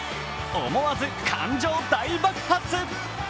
思わず、感情爆発。